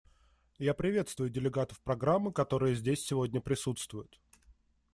Я приветствую делегатов программы, которые здесь сегодня присутствуют.